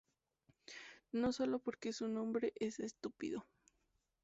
No solo porque su nombre es estúpido